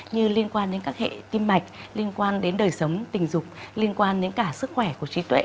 như liên quan đến các hệ tim mạch liên quan đến đời sống tình dục liên quan đến cả sức khỏe của trí tuệ